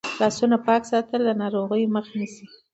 لاسونه پاک ساتل د ناروغیو مخه نیسي.